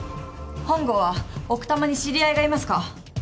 本郷は奥多摩に知り合いがいますか？